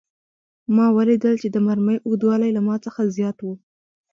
ما ولیدل چې د مرمۍ اوږدوالی له ما څخه زیات و